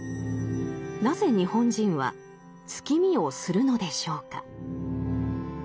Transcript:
なぜ日本人は月見をするのでしょうか。